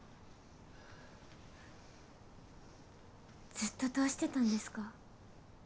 ずっとどうしてたんですか？